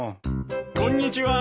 こんにちは。